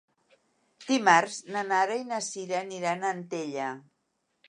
Dimarts na Nara i na Sira aniran a Antella.